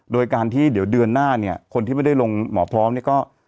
โดยการที่เดี๋ยวเดือนหน้าเนี่ยคนที่ไม่ได้ลงหมอพร้อมเนี่ยก็